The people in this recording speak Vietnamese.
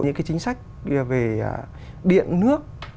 những cái chính sách về điện nước